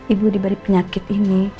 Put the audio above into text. ibu diberi penyakit ini